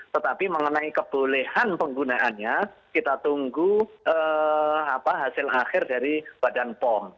tetapi mengenai kebolehan penggunaannya kita tunggu hasil akhir dari badan pom